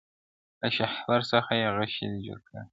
• له شهپر څخه یې غشی دی جوړ کړی -